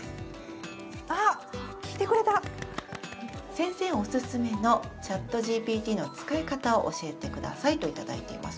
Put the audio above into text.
先生おすすめのチャットＧＰＴの使い方を教えてくださいと、いただいています。